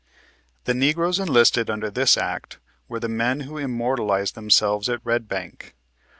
The Negroes enlisted under this act were the men who immortalized themselves at Red Bank.